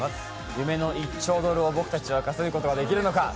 夢の１兆ドルを僕たちは稼ぐことができるのか。